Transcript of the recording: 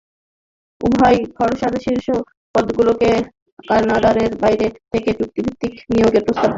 উভয় খসড়ায় শীর্ষ পদগুলোতে ক্যাডারের বাইরে থেকে চুক্তিভিত্তিক নিয়োগের প্রস্তাব রয়েছে।